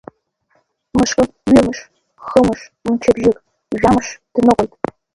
Мышкы, ҩымш, хымш, мчыбжьык, жәамш дныҟәеит.